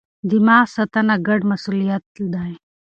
دماغ ساتنه ګډ مسئولیت دی.